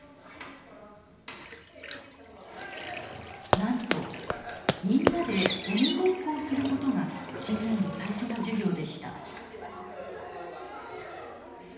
なんとみんなで鬼ごっこをすることが新年度最初の授業でした。